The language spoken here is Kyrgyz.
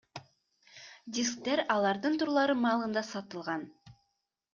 Дисктер алардын турлары маалында сатылган.